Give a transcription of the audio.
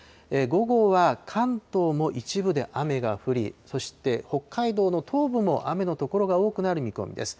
午後は関東も一部で雨が降り、そして北海道の東部も雨の所が多くなる見込みです。